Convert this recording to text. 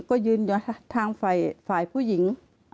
ก็ยืนยันค่ะทางฝ่ายผู้หญิง